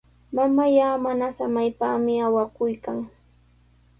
Mamallaa mana samaypami awakuykan.